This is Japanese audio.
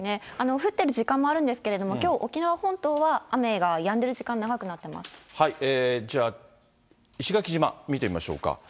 降ってる時間もあるんですけれども、きょう、沖縄本島は雨がやんでる時間、長くじゃあ、石垣島、見てみましょうか。